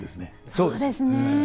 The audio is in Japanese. そうですね。